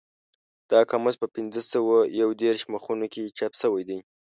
دا قاموس په پینځه سوه یو دېرش مخونو کې چاپ شوی دی.